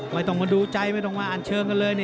ไม่ต้องมาดูใจไม่ต้องมาอ่านเชิงกันเลย